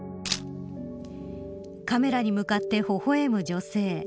カメラに向かってほほ笑む女性。